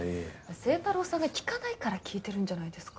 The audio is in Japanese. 星太郎さんが聞かないから聞いてるんじゃないですか。